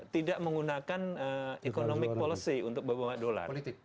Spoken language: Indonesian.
tidak menggunakan economic policy untuk beberapa dolar